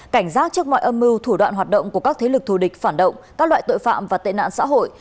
cảnh giác trước mọi âm mưu thủ đoạn hoạt động của các thế lực thù địch phản động các loại tội phạm và tệ nạn xã hội